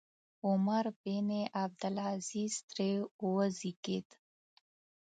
عمر بن عبدالعزیز ترې وزېږېد.